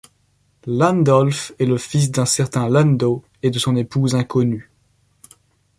Landolf est le fils d'un certain Lando et de son épouse inconnue.